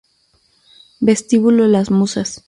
Vestíbulo Las Musas